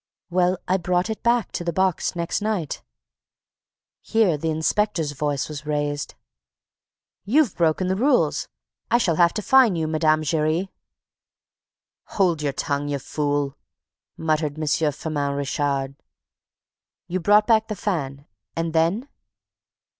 "Well, I brought it back to the box next night." Here the inspector's voice was raised. "You've broken the rules; I shall have to fine you, Mme. Giry." "Hold your tongue, you fool!" muttered M. Firmin Richard. "You brought back the fan. And then?"